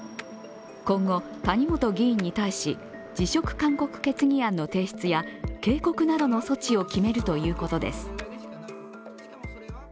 今後、谷本議員に対し、辞職勧告決議案の提出や警告などの措置を決めるということです。